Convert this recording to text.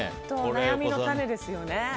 悩みの種ですよね。